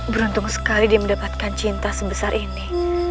beruntung sekali dia mendapatkan cinta sebesar ini